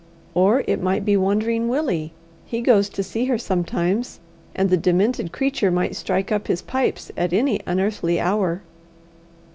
Or it might be Wandering Willie he goes to see her sometimes, and the demented creature might strike up his pipes at any unearthly hour."